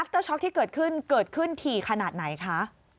เตอร์ช็อกที่เกิดขึ้นเกิดขึ้นถี่ขนาดไหนคะ